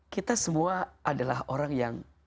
kita semua adalah orang yang